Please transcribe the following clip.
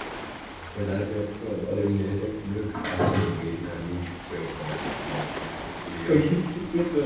The lioness looked at him with a mixture of surprise and curiosity.